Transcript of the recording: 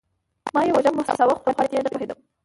ما يې وږم محسوساوه خو پر خوند يې نه پوهېدم.